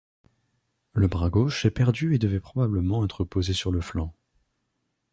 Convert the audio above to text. Le bras gauche est perdu et devait probablement être posé sur le flanc.